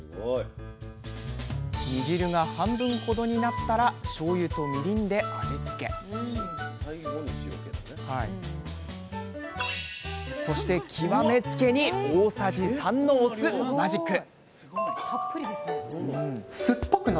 煮汁が半分ほどになったらしょうゆとみりんで味付けそして極め付けに大さじ３のお酢マジック！